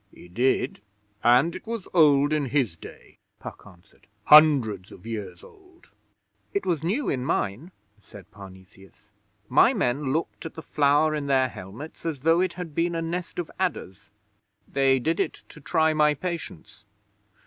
'He did, and it was old in his day,' Puck answered. 'Hundreds of years old.' 'It was new in mine,' said Parnesius. 'My men looked at the flour in their helmets as though it had been a nest of adders. They did it to try my patience.